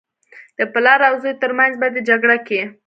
د پلار او زوى تر منځ په دې جګړه کې.